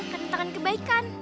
keren tangan kebaikan